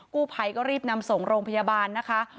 กู้ภัยก็รีบนำส่งโรงพยาบาลนะคะ